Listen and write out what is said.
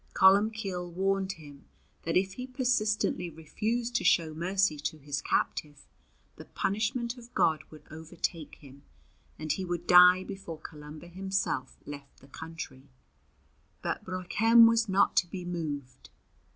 Columbcille warned him that if he persistently refused to show mercy to his captive, the punishment of God would overtake him, and he would die before Columba himself left the country, but Broichem was not to be moved.